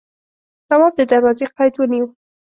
تواب د دروازې قید ونيو.